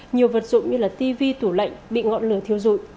nhiều vật dụng như là tv tủ lạnh bị ngọn lửa thiếu dụi